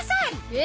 え！